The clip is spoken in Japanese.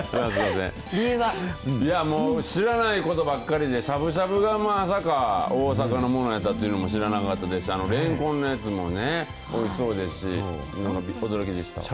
もう知らないことばっかりで、しゃぶしゃぶがまさか大阪のものやったということも知らなかったですし、あのレンコンのやつもね、おいしそうですし、なんか驚きでした。